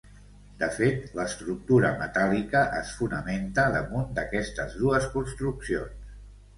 De fet, l'estructura metàl·lica es fonamenta damunt d'aquestes dues construccions.